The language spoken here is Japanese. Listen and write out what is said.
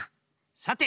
さて。